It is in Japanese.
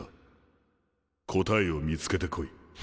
答えを見つけてこい。